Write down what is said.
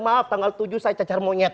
maaf tanggal tujuh saya cacar monyet